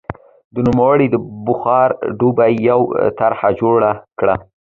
نوموړي د بخار ډبې یوه طرحه جوړه کړه.